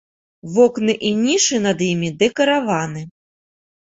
Вокны і нішы над імі дэкараваны.